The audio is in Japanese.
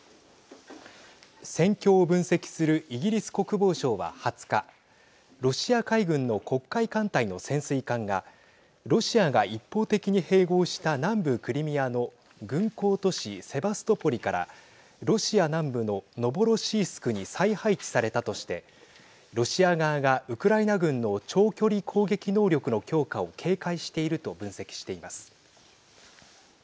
戦況を分析するイギリス国防省は２０日ロシア海軍の黒海艦隊の潜水艦がロシアが一方的に併合した南部クリミアの軍港都市セバストポリからロシア南部のノボロシースクに再配置されたとしてロシア側がウクライナ軍の長距離攻撃能力の強化を警戒していると分析しています。